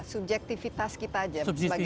subjektivitas kita saja sebagai manusia